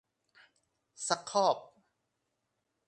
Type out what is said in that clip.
ซัคคอฟ